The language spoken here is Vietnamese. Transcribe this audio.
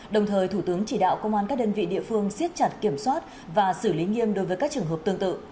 đồng thời thủ tướng chỉ đạo công an các đơn vị địa phương siết chặt kiểm soát và xử lý nghiêm đối với các trường hợp tương tự